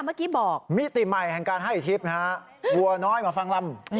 เมื่อกี้บอกมิติใหม่แห่งการให้ทิพย์วัวน้อยมาฟังลำ